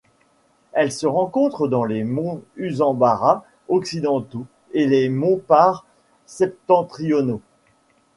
Elle se rencontre dans les monts Usambara occidentaux et les monts Pare septentrionaux.